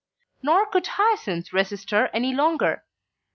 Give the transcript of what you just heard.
Nor could Hyacinth resist her any longer.